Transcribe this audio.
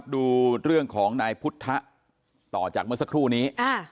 ดูเรื่องของนายพุทธต่อจากเมื่อสักครู่นี้